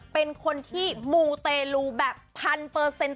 เป็นคนที่มูเตลูแบบพันเปอร์เซ็นต์